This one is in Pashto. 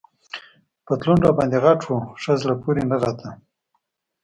پتلون راباندي غټ وو، ښه زړه پورې نه راته.